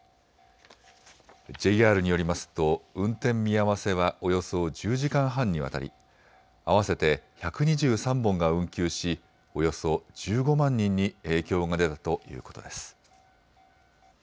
ＪＲによりますと運転見合わせはおよそ１０時間半にわたり合わせて１２３本が運休しおよそ１５万人に影響が出たということです。